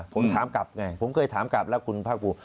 ผมถามกลับไงผมเคยถามกลับแล้วคุณพบ